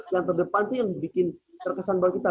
yang terdepan itu yang bikin terkesan buat kita